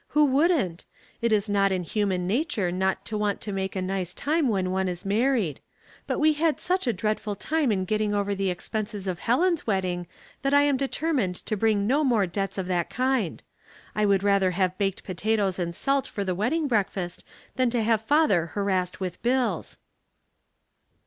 Who wouldn't? It is not in human nature not to want to make a nice time when one is married ; but we had such a dread ful time getting over the expenses of Helen's weddinsj that I am determined to brinijf no more debts of that kind. I would rather have baked potatoes and salt for the wedding breakfast than to have father harassed with bills."